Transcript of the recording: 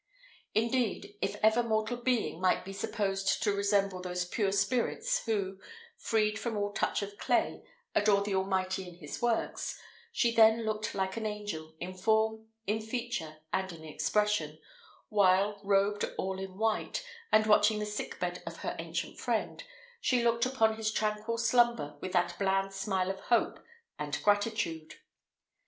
Indeed, if ever mortal being might be supposed to resemble those pure spirits who, freed from all touch of clay, adore the Almighty in his works, she then looked like an angel, in form, in feature, and in expression, while, robed all in white, and watching the sick bed of her ancient friend, she looked upon his tranquil slumber with that bland smile of hope and gratitude.